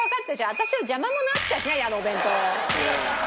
私を邪魔者扱いしないであのお弁当を。